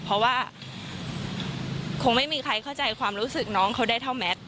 เพราะว่าคงไม่มีใครเข้าใจความรู้สึกน้องเขาได้เท่าแมท